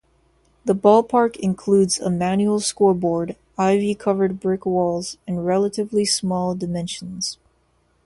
The ballpark includes a manual scoreboard, ivy-covered brick walls, and relatively small dimensions.